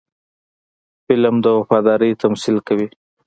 فلم د وفادارۍ تمثیل کوي